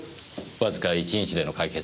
わずか１日での解決